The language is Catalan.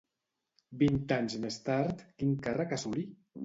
Vint anys més tard, quin càrrec assolí?